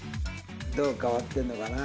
どう変わってるのかな？